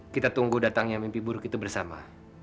kita tunggu datangnya mimpi buruk itu bersama